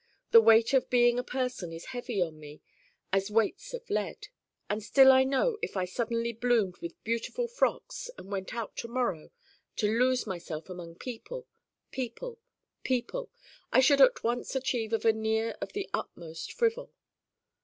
The weight of being a person is heavy on me as weights of lead. And still I know if I suddenly bloomed with beautiful frocks and went out to morrow to lose myself among people, people, people I should at once achieve a veneer of the utmost frivol.